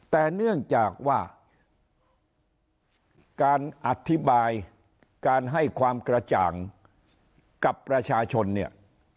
แต่เนื่องจากว่าการอธิบายการให้ความกระจ่างกับประชาชนเนี่ย